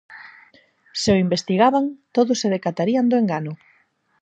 Se o investigaban, todos se decatarían do engano.